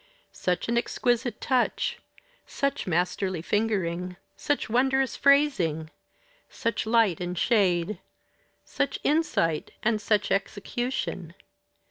Such an exquisite touch! such masterly fingering! such wondrous phrasing! such light and shade! such insight and such execution!